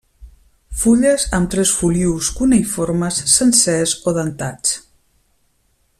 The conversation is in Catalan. Fulles amb tres folíols cuneïformes, sencers o dentats.